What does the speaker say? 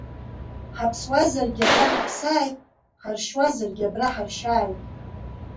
Ҳаԥсуазаргьы абра ҳаԥсааит, ҳаршьуазаргьы абра ҳаршьааит!